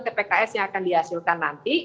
tpks yang akan dihasilkan nanti